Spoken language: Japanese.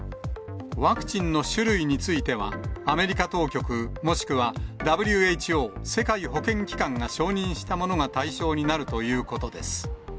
ワクチンの種類については、アメリカ当局もしくはＷＨＯ・世界保健機関が承認したものが対象になるということです。